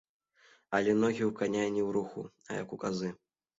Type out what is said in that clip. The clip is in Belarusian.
Але ногі ў каня не ў руху, а як у казы.